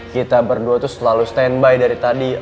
kita berdua tuh selalu standby dari tadi